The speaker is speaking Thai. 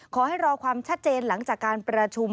ขอให้รอความชัดเจนหลังจากการประชุม